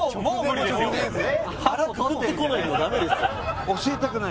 腹くくって来ないとダメですよ。